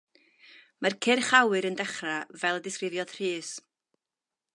Mae'r cyrch awyr yn dechrau fel y disgrifiodd Rhys.